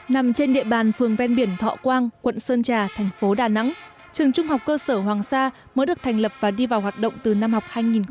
nằm trên địa bàn phường ven biển thọ quang quận sơn trà thành phố đà nẵng trường trung học cơ sở hoàng sa mới được thành lập và đi vào hoạt động từ năm học hai nghìn một mươi sáu